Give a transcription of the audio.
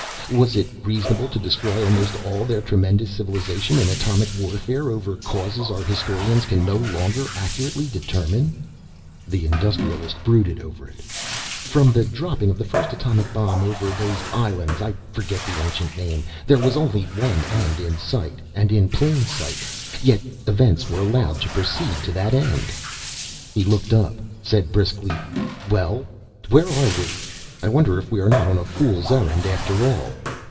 Was it reasonable to destroy almost all their tremendous civilization in atomic warfare over causes our historians can no longer accurately determine?" The Industrialist brooded over it. "From the dropping of the first atom bomb over those islands I forget the ancient name there was only one end in sight, and in plain sight. Yet events were allowed to proceed to that end." He looked up, said briskly, "Well, where are we? I wonder if we are not on a fool's errand after all."